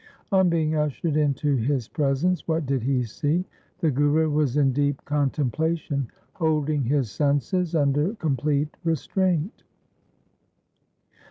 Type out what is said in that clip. On being ushered into his presence, what did he see ? The Guru was in deep contem plation holding his senses under complete restraint.